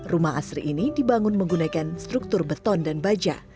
rumah asri ini dibangun menggunakan struktur beton dan baja